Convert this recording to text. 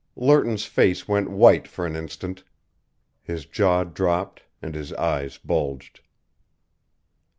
Lerton's face went white for an instant. His jaw dropped and his eyes bulged.